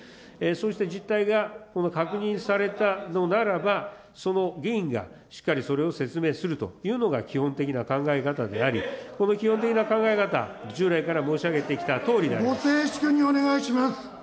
そうした実態がこの確認されたのならば、その議員がしっかりそれを説明するというのが基本的な考え方であり、この基本的な考え方、従来から申し上げてきたとおりでありまご静粛にお願いします。